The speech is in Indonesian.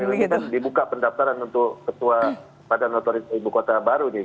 jadi sekarang ada pilihan dibuka pendaftaran untuk ketua pada notori ibu kota baru